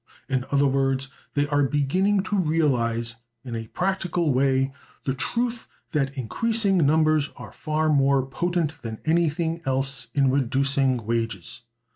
In other words, they are beginning to realize, in a practical way, the truth that increasing numbers are far more potent than anything else in reducing wages.